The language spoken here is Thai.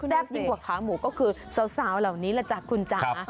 แซ่บจริงกว่าขาหมูก็คือสาวเหล่านี้ล่ะจ๊ะคุณจ้ะ